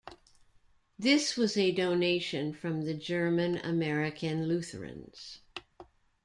This was a donation from the German-American Lutherans.